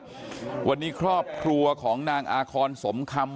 คำถามบริการณ์เนี้ยครับวันนี้ครอบครัวของนางอาคอนสมคำ